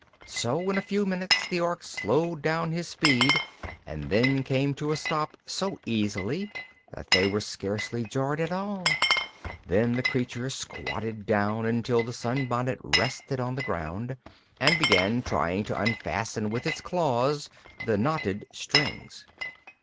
So in a few minutes the Ork slowed down his speed and then came to a stop so easily that they were scarcely jarred at all. Then the creature squatted down until the sunbonnet rested on the ground, and began trying to unfasten with its claws the knotted strings.